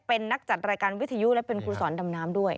เป็นนักจัดรายการวิทยุและเป็นครูสอนดำน้ำด้วย